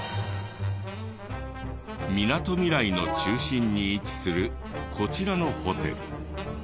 みなとみらいの中心に位置するこちらのホテル。